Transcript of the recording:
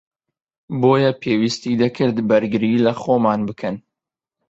بۆیە پێویستی دەکرد بەرگری لەخۆمان بکەن